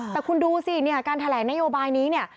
แต่คุณดูสิเนี่ยการแถลงนโยบายนี้เนี่ย